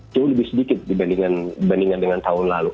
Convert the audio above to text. jauh lebih sedikit dibandingkan dengan tahun lalu